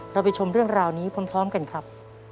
เราไปชมเรื่องราวนี้พร้อมกันครับ